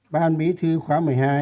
ban mỹ thư khóa một mươi hai